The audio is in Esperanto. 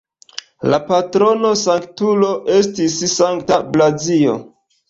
La patrono-sanktulo estis Sankta Blazio.